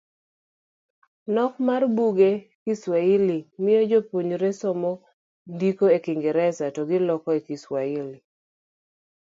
Nok mar buge kiwahili miyo Jopuonjre somo ndiko e kingresa to giloko e Swahili.